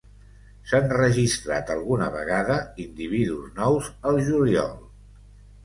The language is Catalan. S'han registrat alguna vegada individus nous al juliol.